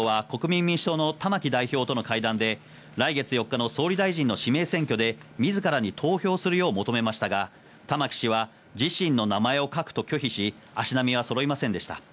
枝野代表は国民民主党の玉木代表との会談で、来月４日の総理大臣の指名選挙で自らに投票するよう求めましたが、玉木氏は自身の名前を書くと拒否し、足並みをそろいませんでした。